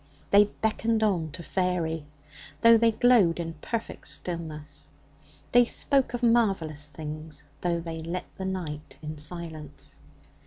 They beckoned on to faery, though they glowed in perfect stillness. They spoke of marvellous things, though they lit the night in silence.